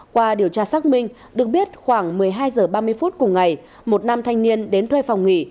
qua điều tra xác minh được biết khoảng một mươi hai h ba mươi phút cùng ngày một nam thanh niên đến thuê phòng nghỉ